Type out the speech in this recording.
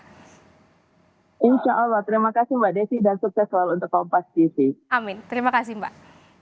hai insya allah terima kasih mbak desi dan sukses selalu untuk kompas tv amin terima kasih mbak